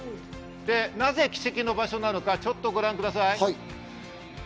なぜ奇跡の場所なのか、ちょっとご覧ください。